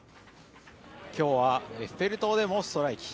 今日はエッフェル塔でもストライキ。